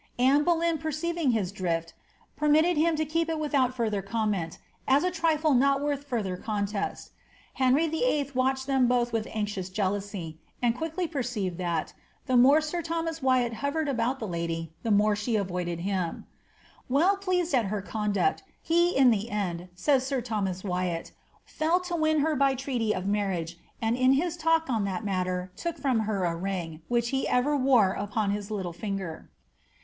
Anne Boleyn perceiving his drift, penniitc him to keep it without further comment, as a trifle not worth furthi contest Henry VIII. watched them both with anxious jealousy, an quickly perceived that, the more sir Thomas Wyatt hovered about tl lady, the more she avoideil him.'^ ^ Well pleased at her conduct, he i the end, says sir Thomas Wyatt, ^ fell to win her by treaty of marri^ and in his talk on that matter took from her a ring, which he ever woi upon his little finger.